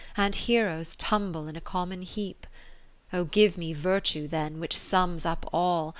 And Heroes tumble in a common heap? Oh give me Virtue then, which sums up all.